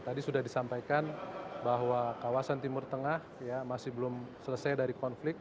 tadi sudah disampaikan bahwa kawasan timur tengah masih belum selesai dari konflik